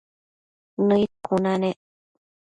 Nëid cuna nec